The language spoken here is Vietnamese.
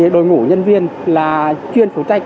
đội ngũ nhân viên là chuyên phụ trách